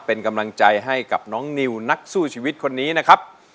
เป็นกำลังใจให้กับน้องนิวนักสู้ชีวิตคนนี้นะครับ